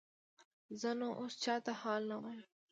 زه نو اوس چاته حال نه وایم.